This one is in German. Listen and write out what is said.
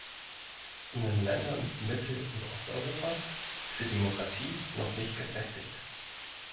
In den Ländern Mittel- und Osteuropas ist die Demokratie noch nicht gefestigt.